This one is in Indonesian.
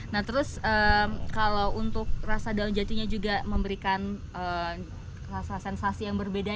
nah terus kalau untuk rasa daun jatinya juga memberikan rasa sensasi yang berbeda